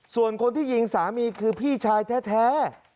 ส่วนคนที่ยิงสามีคือพี่ชายแท้